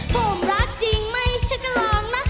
ผมรักจริงไหมฉันก็ลองนะ